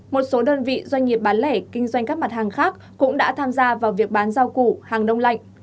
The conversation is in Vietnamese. một số đơn vị doanh nghiệp bán lẻ kinh doanh các mặt hàng khác cũng đã tham gia vào việc bán rau củ hàng đông lạnh